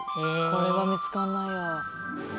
これは見つかんないわ。